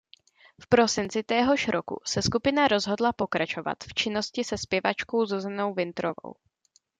V prosinci téhož roku se skupina rozhodla pokračovat v činnosti se zpěvačkou Zuzanou Vintrovou.